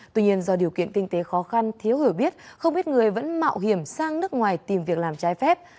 tuy nhiên do điều kiện kinh tế khó khăn thiếu hiểu biết không biết người vẫn mạo hiểm sang nước ngoài tìm việc làm trái phép